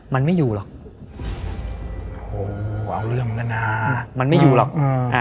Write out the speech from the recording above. มันไม่อยู่หรอกโหเอาเรื่องแล้วนะมันไม่อยู่หรอกอืมอ่า